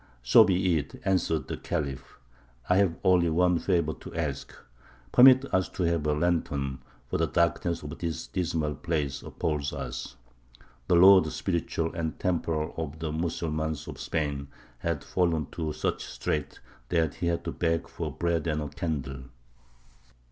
"So be it," answered the Khalif; "I have only one favour to ask: permit us to have a lantern, for the darkness of this dismal place appals us." The lord spiritual and temporal of the Mussulmans of Spain had fallen to such straits that he had to beg for bread and a candle. [Illustration: THE GIRALDA AT SEVILLE.